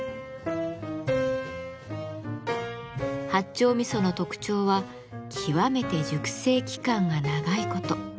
八丁味噌の特徴はきわめて熟成期間が長いこと。